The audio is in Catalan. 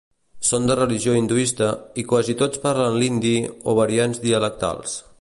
Són de religió hinduista i quasi tots parlen l'hindi o variants dialectals.